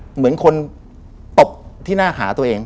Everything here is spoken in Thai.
เหมือนคนตบที่หน้าขาตัวเอง